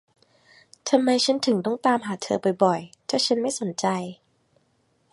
ทำไมฉันถึงต้องตามหาเธอบ่อย ๆ ถ้าฉันไม่สนใจ